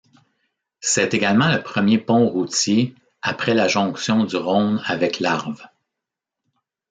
C'est également le premier pont routier après la jonction du Rhône avec l'Arve.